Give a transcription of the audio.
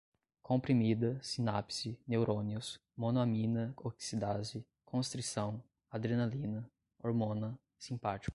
comprimida, sinapse, neurônios, monoamina oxidase, constrição, adrenalina, hormona, simpático